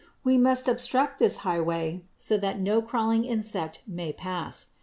We must obstruct this highway so that no crawling creature may pass.